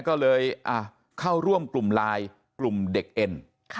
ก็เลยเข้าร่วมกลุ่มไลน์กลุ่มเด็กเอ็น